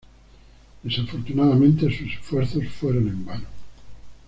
Desafortunadamente sus esfuerzos fueron en vano.